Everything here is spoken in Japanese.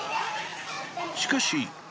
しかし。